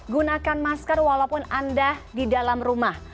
gunakan masker walaupun anda di dalam rumah